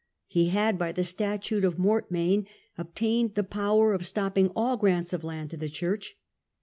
He had, by the Statute of Mortmain, obtained the power of stopping all grants of land to the church.